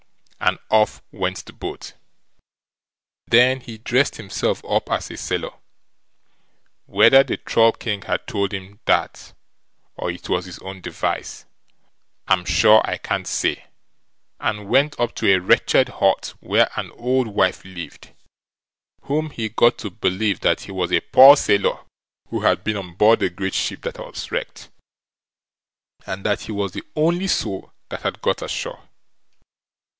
And off went the boat. Then he dressed himself up as a sailor—whether the Troll king had told him that, or it was his own device, I'm sure I can't say—and went up to a wretched hut where an old wife lived, whom he got to believe that he was a poor sailor who had been on board a great ship that was wrecked, and that he was the only soul that had got ashore.